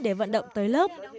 để vận động tới lớp